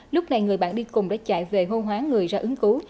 lúc này người bạn đi cùng đã chạy về hô hoá người ra ứng cứu